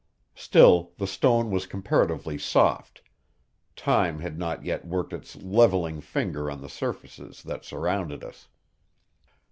Still the stone was comparatively soft time had not yet worked its leveling finger on the surfaces that surrounded us.